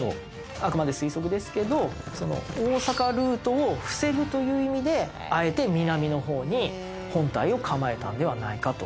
あくまで推測ですけど大坂ルートを防ぐという意味であえて南の方に本隊を構えたのではないかと。